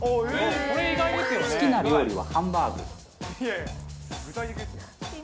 好きな料理はハンバーグ。